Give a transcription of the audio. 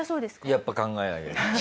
やっぱ考えなきゃ。